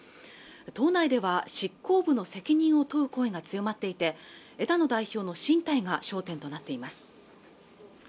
党内では執行部の責任を問う声が強まっていて枝野代表の進退が焦点となっています